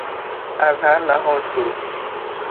از هر لحاظ درست